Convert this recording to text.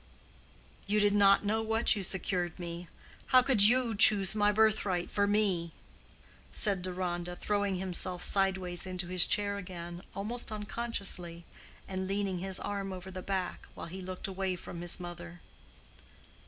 "You did not know what you secured me. How could you choose my birthright for me?" said Deronda, throwing himself sideways into his chair again, almost unconsciously, and leaning his arm over the back, while he looked away from his mother.